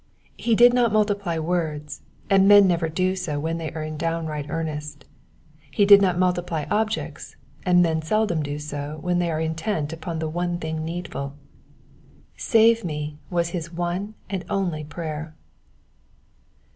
He did not multiply words, and men never do so when they are in downright earnest. He did not multiply objects, and men seldom do so when they are intent upon the one thing needful :*^ save me '' was his one and only prayer.